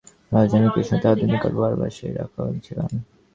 সেই বহু সেনাবাহিনীর নেতা রাজাধিরাজ কৃষ্ণ তাহাদের নিকট বরাবর সেই রাখালবালকই ছিলেন।